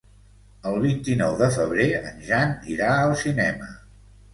El vint-i-nou de febrer en Jan irà al cinema.